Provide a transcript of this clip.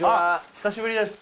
久しぶりです。